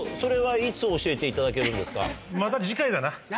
教えていただけるんですか。